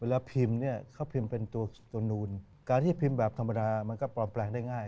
แล้วพิมพ์เนี่ยเขาพิมพ์เป็นตัวนูนการที่พิมพ์แบบธรรมดามันก็ปลอมแปลงได้ง่าย